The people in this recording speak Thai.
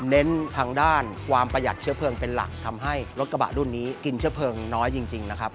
เน้นทางด้านความประหยัดเชื้อเพลิงเป็นหลักทำให้รถกระบะรุ่นนี้กินเชื้อเพลิงน้อยจริงนะครับ